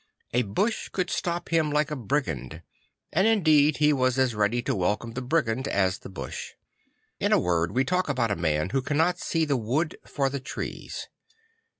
A bush could stop him like a brigand; and indeed he was as read y to welcome the brigand as the bush. In a word, we talk about a man who cannot see the wood for the trees.